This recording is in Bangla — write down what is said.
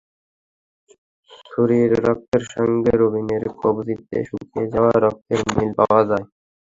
ছুরির রক্তের সঙ্গে রবিনের কবজিতে শুকিয়ে যাওয়া রক্তের মিল পাওয়া যায়।